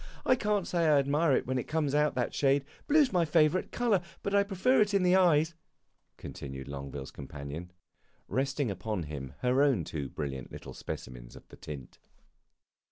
I can't say I admire it when it comes to that shade. Blue 's my favorite color, but I prefer it in the eyes," continued Longueville's companion, resting upon him her own two brilliant little specimens of the tint.